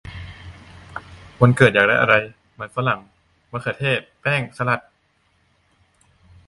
วันเกิดอยากได้อะไร ? : มันฝรั่ง มะเขือเทศ แป้ง สลัด !